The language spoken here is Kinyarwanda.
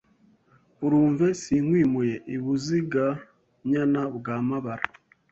Urumve sinkwimuye I Buziga-nyana bwa Mabara